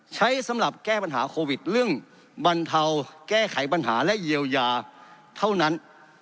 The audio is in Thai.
ใช้สำหรับแก้ปัญหาโควิดเรื่องบรรเทาแก้ไขปัญหาและเยียวยาเท่านั้น